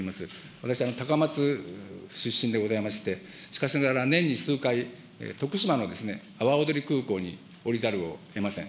私、高松市出身でございまして、しかしながら、年に数回、徳島の阿波おどり空港に降りざるをえません。